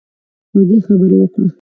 خوږې خبرې وکړه.